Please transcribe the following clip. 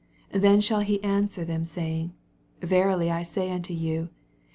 45 Then shall he answer them, say ing Verilv I say unto you.